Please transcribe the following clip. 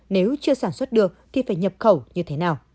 nếu chưa sản xuất được thì phải nhập khẩu như thế nào